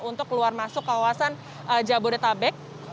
untuk keluar masuk kawasan jabodetabek